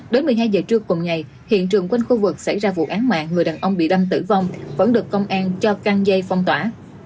đến một mươi hai giờ trưa cùng ngày hiện trường quanh khu vực xảy ra vụ án mạng người đàn ông bị đâm tử vong vẫn được công an cho căng dây phong tỏa